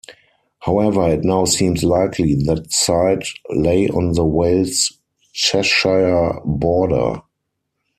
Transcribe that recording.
However, it now seems likely that site lay on the Wales-Cheshire border.